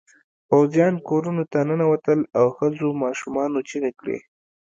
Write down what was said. پوځيان کورونو ته ننوتل او ښځو ماشومانو چیغې کړې.